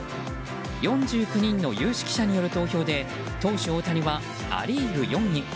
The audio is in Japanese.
４９人の有識者による投票で投手・大谷はア・リーグ４位。